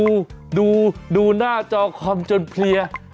อุ๊ยเธอเองดูดูหน้าจอคอมจนเพลีย